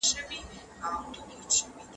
انا په ډېر احتیاط سره د ماشوم سر پورته کړ.